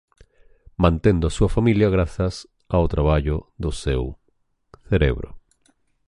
Mantendo á súa familia grazas ao traballo do seu cerebro.